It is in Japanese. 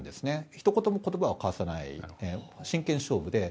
ひと言も言葉を交わさない真剣勝負で。